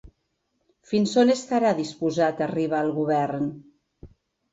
Fins on estarà disposat a arribar el govern?